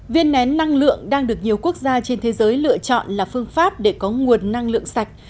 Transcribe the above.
viên nén năng lượng đang được nhiều quốc gia trên thế giới lựa chọn là phương pháp để có nguồn năng lượng sạch